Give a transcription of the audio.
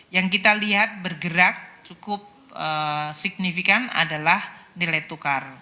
yang kita lihat bergerak cukup signifikan adalah nilai tukar